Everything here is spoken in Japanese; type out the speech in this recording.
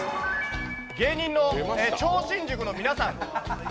芸人の超新塾の皆さん。